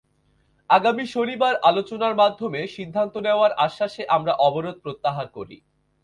আগামী শনিবার আলোচনার মাধ্যমে সিদ্ধান্ত নেওয়ার আশ্বাসে আমরা অবরোধ প্রত্যাহার করি।